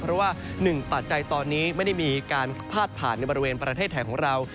เพราะว่าหนึ่งปัจจัยตอนนี้ไม่ได้มีการพาดผ่านในบริเวณประเทศไทยของเรา